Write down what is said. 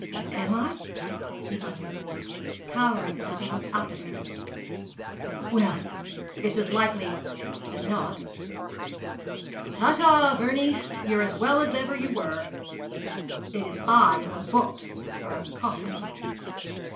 'Am I?' he muttered, cowering as he looked up at her. 'Well, it's as likely as not. Ta, ta, Vernie! You're as well as ever you were. It is I who am booked for a coffin!'